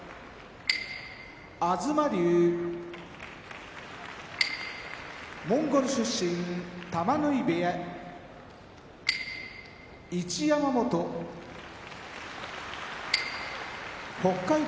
東龍モンゴル出身玉ノ井部屋一山本北海道